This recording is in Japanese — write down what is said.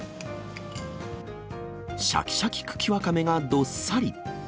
しゃきしゃき茎わかめがどっさり。